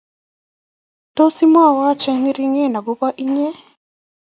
Tos, imwowo chengering agoba inye?